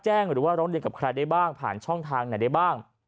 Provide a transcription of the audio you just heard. หรือว่าร้องเรียนกับใครได้บ้างผ่านช่องทางไหนได้บ้าง